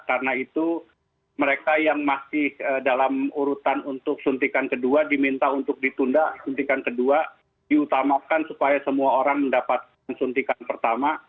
karena itu mereka yang masih dalam urutan untuk suntikan kedua diminta untuk ditunda suntikan kedua diutamakan supaya semua orang mendapatkan suntikan pertama